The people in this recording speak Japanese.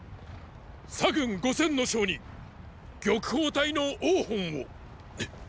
左軍五千の将にーー玉鳳隊の王賁を！